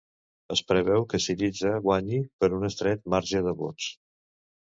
Es preveu que Syriza guanyi per un estret marge de vots.